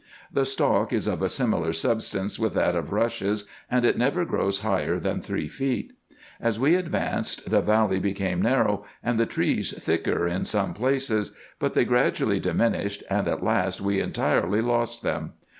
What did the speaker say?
The stalk is of a similar substance with that of rushes, and it never grows liigher than three feet. As we advanced, the valley became narrow, and the trees thicker in some places ; but they gradually diminished, and at last we entirely lost them.